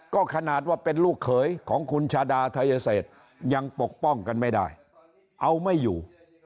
ก็ขนาดว่าเป็นลูกเขยของคุณชาดาไทเศษยังปกป้องกันไม่ได้เอาไม่อยู่